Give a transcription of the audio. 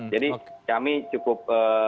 jadi kami cukup